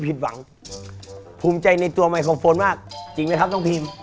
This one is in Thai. รุ่นดนตร์บุรีนามีดังใบปุ่ม